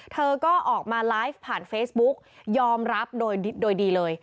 เธอก็ออกมาไลฟ์ผ่านเฟซบุ๊กยอมรับโดยดีเลย